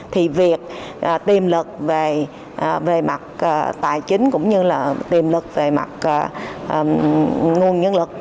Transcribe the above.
thì việc tìm lực về mặt tài chính cũng như là tìm lực về mặt nguồn nhân lực